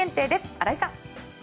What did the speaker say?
新井さん。